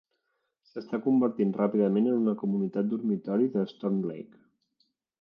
S'està convertint ràpidament en una "comunitat dormitori" de Storm Lake.